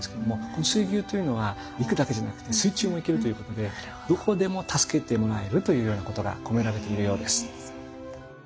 この水牛というのは陸だけじゃなくて水中も行けるということでどこでも助けてもらえるというようなことが込められているようです。